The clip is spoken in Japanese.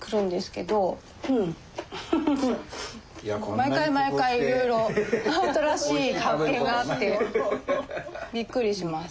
毎回毎回いろいろ新しい発見があってびっくりします。